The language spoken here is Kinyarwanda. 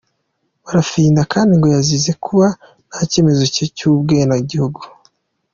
Barafinda kandi ngo yazize kuba nta cyemezo cye cy’ubwenegihugu.